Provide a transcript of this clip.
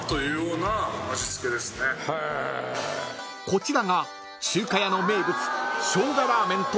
［こちらが中華やの名物］